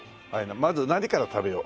まず何から食べよう？